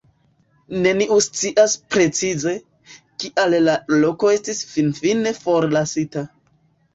Neniu scias precize, kial la loko estis finfine forlasita.